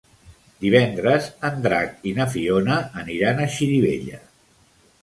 Divendres en Drac i na Fiona aniran a Xirivella.